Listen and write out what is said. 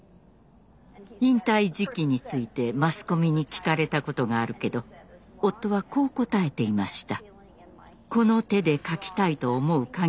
引退時期についてマスコミに聞かれたことがあるけど夫はこう答えていました。